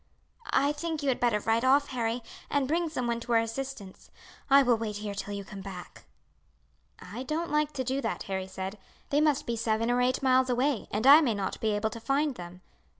"I think you had better ride off, Harry, and bring some one to our assistance. I will wait here till you come back." "I don't like to do that," Harry said. "They must be seven or eight miles away, and I may not be able to find them.